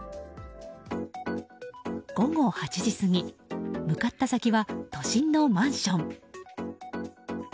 午後８時過ぎ向かった先は都心のマンション。